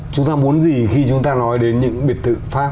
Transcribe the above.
chúng ta muốn gì khi chúng ta nói đến những biệt thự pháp